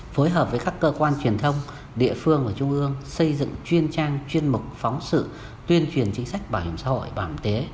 phối hợp với các cơ quan truyền thông địa phương và trung ương xây dựng chuyên trang chuyên mục phóng sự tuyên truyền chính sách bảo hiểm xã hội bảo hiểm y tế